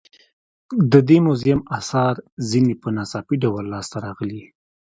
د دې موزیم اثار ځینې په ناڅاپي ډول لاس ته راغلي.